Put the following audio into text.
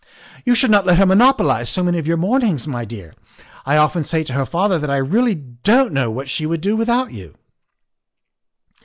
" You should not let her monopolize so many of your morn ings, my dear. I often say to her father that I really don't know what she would do without you."